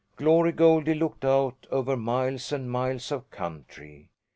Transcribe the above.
Glorv Goldie looked out over miles and miles of country.